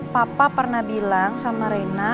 papa pernah bilang sama rena